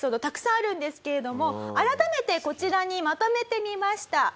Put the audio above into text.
たくさんあるんですけれども改めてこちらにまとめてみました。